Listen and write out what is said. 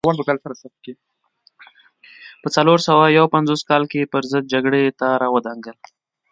په څلور سوه یو پنځوس کال کې پرضد جګړې ته را ودانګل.